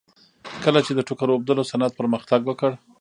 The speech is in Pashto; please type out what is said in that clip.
کله چې د ټوکر اوبدلو صنعت پرمختګ وکړ